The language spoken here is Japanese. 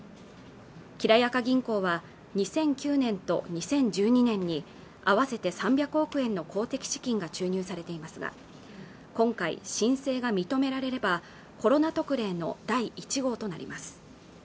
きらやか銀行は２００９年と２０１２年に合わせて３００億円の公的資金が注入されていますが今回申請が認められればコロナ特例の第１号となります